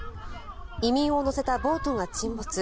移民を乗せたボートが沈没。